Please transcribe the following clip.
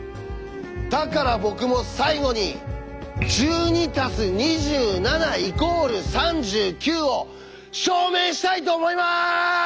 だから僕も最後に「１２＋２７＝３９」を証明したいと思います！